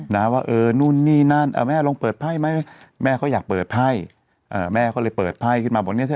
นะว่าเออนู่นนี่นั่นแม่ลองเปิดไพ่ไหมแม่เขาอยากเปิดไพ่แม่ก็เลยเปิดไพ่ขึ้นมาบอกเนี่ยสิ